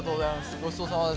ごちそうさまです。